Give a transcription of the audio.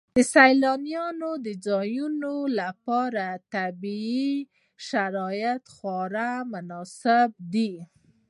د سیلاني ځایونو لپاره طبیعي شرایط خورا مناسب دي.